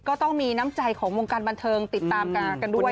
ก็ต้องมีน้ำใจของวงการบันเทิงติดตามกันด้วย